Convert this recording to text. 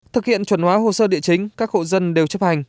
thực hiện chuẩn hóa hồ sơ địa chính các hộ dân đều chấp hành